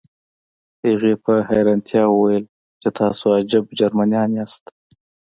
هغې په حیرانتیا وویل چې تاسې عجب جرمنان یاست